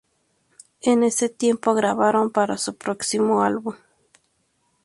En este tiempo grabaron para su próximo álbum.